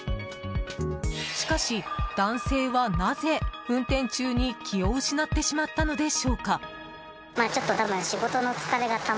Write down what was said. しかし、男性はなぜ運転中に気を失ってしまったのでしょうか。